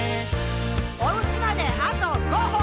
「おうちまであと５歩！」